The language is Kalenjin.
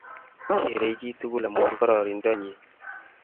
Kerei chi tukul amun kororindo nyi.